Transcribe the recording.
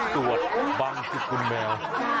ตรวจบ้างที่คุณแมว